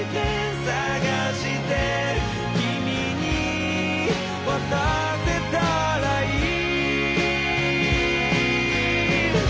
「君に渡せたらいい」